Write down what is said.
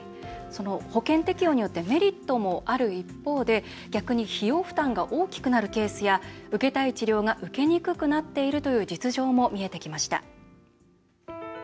その保険適用によってメリットもある一方で逆に費用負担が大きくなるケースや受けたい治療が受けにくくなっているという実情も見えてきました。